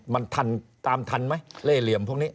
มันทันตามทันไหมเล่เหลี่ยมพวกนี้